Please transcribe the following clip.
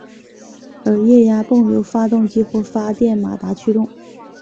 而液压泵由发动机或者电动马达驱动。